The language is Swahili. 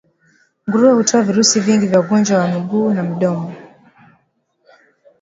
Nguruwe hutoa virusi vingi vya ugonjwa wa miguu na midomo